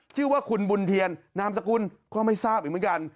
ชื่อว่าคุณบุญเทียนนามสกุลก็ไม่ทราบอีกเหมือนกัน